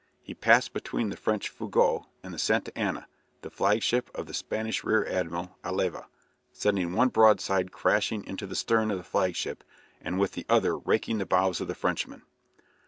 He passed between the French "Fougueux" and the "Santa Ana," the flagship of the Spanish Rear Admiral Alava, sending one broadside crashing into the stern of the flagship, and with the other raking the bows of the Frenchman.